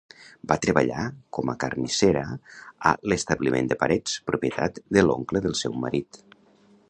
Va treballar com a carnissera a l'establiment de Parets, propietat de l'oncle del seu marit.